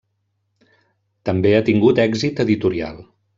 També ha tingut èxit editorial.